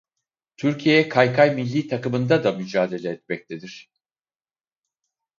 Türkiye kaykay milli takımında da mücadele etmektedir.